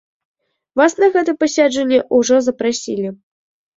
Вас на гэта пасяджэнне ўжо запрасілі.